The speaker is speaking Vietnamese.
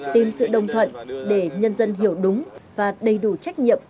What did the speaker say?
tìm sự đồng thuận để nhân dân hiểu được